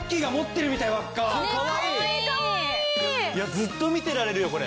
ずっと見てられるよこれ！